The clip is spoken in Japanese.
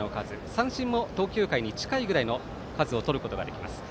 三振も投球回に近いぐらいの数をとることができます。